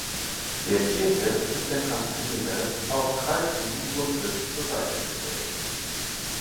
Der Kirche ist ein Campanile auf kreisrundem Grundriss zur Seite gestellt.